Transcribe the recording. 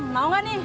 mau gak nih